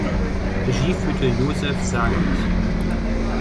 Regie führte Joseph Sargent.